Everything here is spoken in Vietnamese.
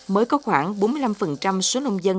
mới có khoảng bốn mươi năm số nông dân